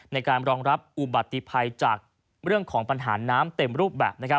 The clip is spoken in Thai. ในการรองรับอุบัติภัยจากเรื่องของปัญหาน้ำเต็มรูปแบบ